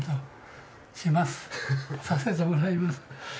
させてもらいます。